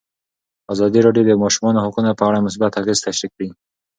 ازادي راډیو د د ماشومانو حقونه په اړه مثبت اغېزې تشریح کړي.